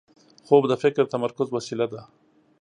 خوب د فکر د تمرکز وسیله ده